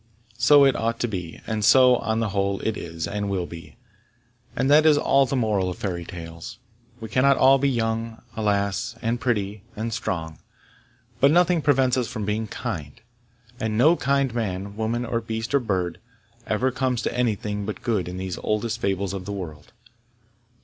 So it ought to be, and so, on the whole, it is and will be; and that is all the moral of fairy tales. We cannot all be young, alas! and pretty, and strong; but nothing prevents us from being kind, and no kind man, woman, or beast or bird, ever comes to anything but good in these oldest fables of the world.